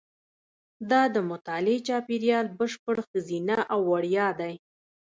دا د مطالعې چاپېریال بشپړ ښځینه او وړیا دی.